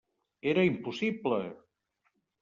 Era impossible!